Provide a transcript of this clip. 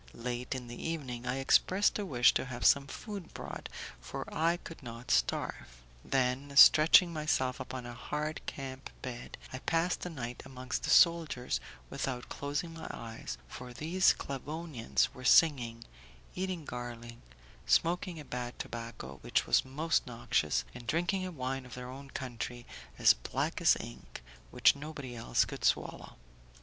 Late in the evening I expressed a wish to have some food bought, for I could not starve; then, stretching myself upon a hard camp bed, I passed the night amongst the soldiers without closing my eyes, for these Sclavonians were singing, eating garlic, smoking a bad tobacco which was most noxious, and drinking a wine of their own country, as black as ink, which nobody else could swallow.